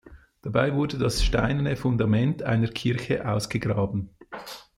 Dabei wurde das steinerne Fundament einer Kirche ausgegraben.